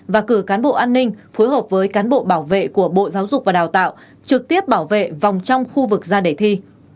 và cử cán bộ an ninh phối hợp với cán bộ bảo vệ của bộ giáo dục và đào tạo trực tiếp bảo vệ vòng trong khu vực ra để thi